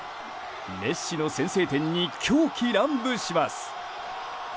メッシの先制点に狂喜乱舞します。